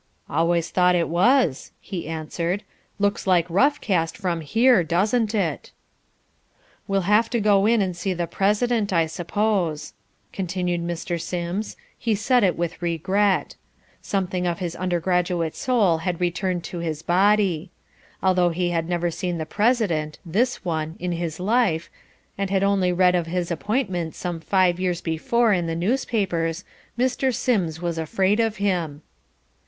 "Always thought it was," he answered. "Looks like rough cast from here, doesn't it." "We'll have to go in and see the President, I suppose," continued Mr. Sims. He said it with regret. Something of his undergraduate soul had returned to his body. Although he had never seen the President (this one) in his life, and had only read of his appointment some five years before in the newspapers, Mr. Sims was afraid of him.